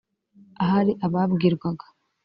Ahari ababwirwaga